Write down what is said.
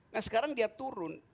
nah sekarang dia turun